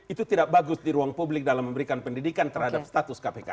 itu tidak bagus di ruang publik dalam memberikan pendidikan terhadap status kpk